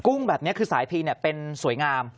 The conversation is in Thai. แบบนี้คือสายพีเป็นสวยงาม